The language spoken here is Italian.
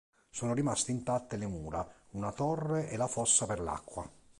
Sono rimaste intatte le mura, una torre e la fossa per l'acqua.